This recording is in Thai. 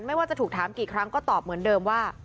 ไม่ว่าจะถูกถามกี่ครั้งก็ตอบเหมือนเดิมว่า